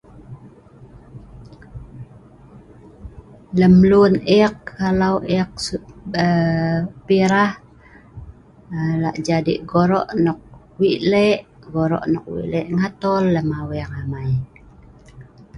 Lem lun eek, kalau eek aa.. pi rah lak jadi gorok nok weik lek, gorok nok weik lek ngatol lem aweng amai.